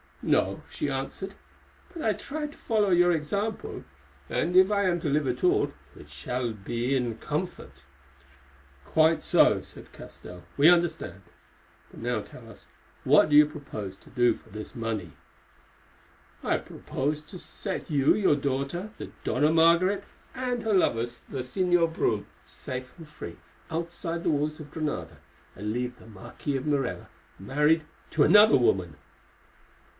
"No," she answered, "but I try to follow your example, and, if I am to live at all, it shall be in comfort." "Quite so," said Castell, "we understand. But now tell us, what do you propose to do for this money?" "I propose to set you, your daughter, the Dona Margaret, and her lover, the Señor Brome, safe and free outside the walls of Granada, and to leave the Marquis of Morella married to another woman."